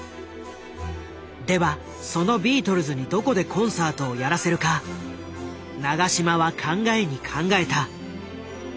ではそのビートルズにどこでコンサートをやらせるか永島は考えに考えた。